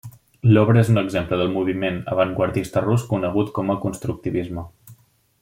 L'obra és un exemple del moviment avantguardista rus conegut com a constructivisme.